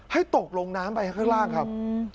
ให้ตกลงน้ำไปข้างล่างครับ